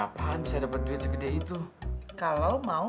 panya aku panya aku